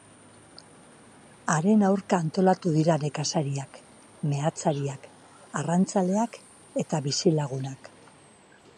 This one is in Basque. Haren aurka antolatu dira nekazariak, meatzariak, arrantzaleak eta bizilagunak.